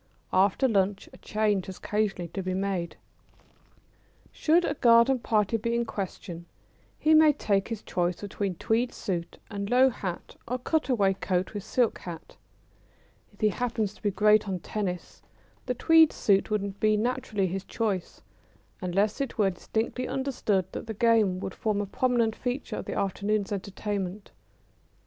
After lunch a change has occasionally to be made. [Sidenote: At a garden party.] Should a garden party be in question, he may take his choice between tweed suit and low hat or cutaway coat with silk hat. If he happen to be great on tennis the tweed suit would be naturally his choice, unless it were distinctly understood that the game would form a prominent feature of the afternoon's entertainment.